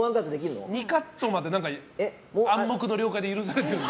２カットまで暗黙の了解で許されてる。